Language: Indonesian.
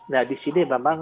nah disini memang